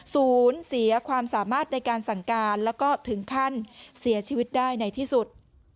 ศูนย์เสียความสามารถในการสั่งการแล้วก็ถึงขั้นเสียชีวิตได้ในที่สุด